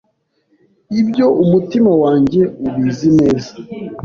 ibyo umutima wanjye ubizi neza”